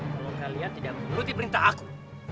kalau kalian tidak menuruti perintah aku